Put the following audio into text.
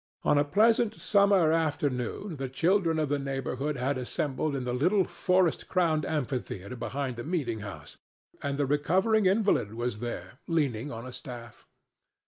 On a pleasant summer afternoon the children of the neighborhood had assembled in the little forest crowned amphitheatre behind the meeting house, and the recovering invalid was there, leaning on a staff.